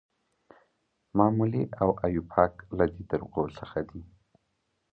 معمولي او ایوپاک له دې طریقو څخه دي.